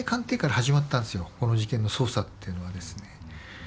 この事件の捜査っていうのはですね。